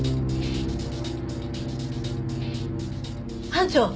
班長！